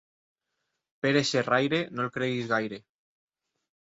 Pere xerraire no el creguis gaire.